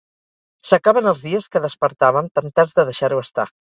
S'acaben els dies que despertàvem temptats de deixar-ho estar.